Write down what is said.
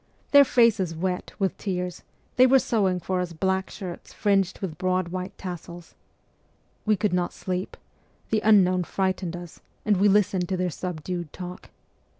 Their faces wet with tears, they were sewing for us black shirts fringed with broad white tassels. We could not sleep : the unknown frightened us, and we listened to their subdued talk.